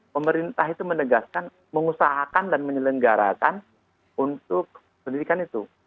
pemerintah itu menegaskan mengusahakan dan menyelenggarakan untuk pendidikan itu